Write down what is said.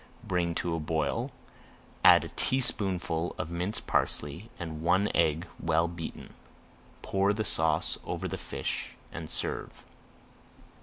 Bring to the boil, add a teaspoonful of minced parsley and one egg well beaten. Pour the sauce over the fish and serve.